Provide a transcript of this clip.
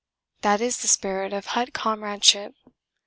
That is the spirit of hut comradeship